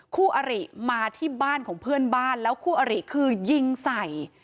คู่อริมาที่บ้านของเพื่อนบ้านแล้วคู่อริคือยิงใส่